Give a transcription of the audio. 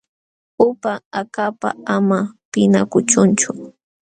Upa akapa ama pinqakuchunchu.